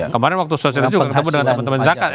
kemarin waktu sosial juga ketemu dengan teman teman zakat